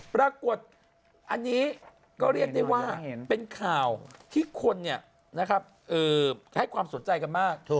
ปรากฏอันนี้ก็เรียกได้ว่าเป็นข่าวที่คนให้ความสนใจกันมาก